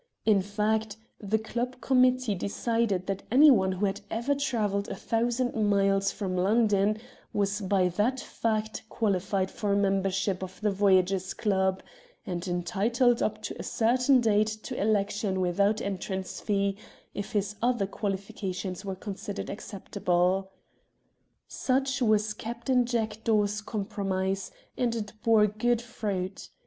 In fact, the club committee decided that anyone who had ever travelled a thousand miles from London was by that fact qualified for mem bership of the Voyagers' Club, and entitled up to a certain date to election without entrance fee if his other qualifications were considered acceptable. Such was Captain THE VOYAGERS 9 Jackdaw's compromise, and it bore good fruit.